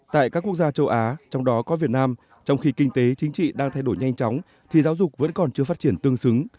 tại các quốc gia châu á trong đó có việt nam trong khi kinh tế chính trị đang thay đổi nhanh chóng thì giáo dục vẫn còn chưa phát triển tương xứng